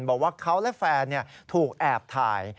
บอกว่าเขาและแฟนถูกแอบถ่าย